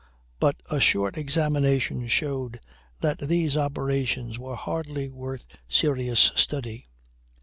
But a short examination showed that these operations were hardly worth serious study.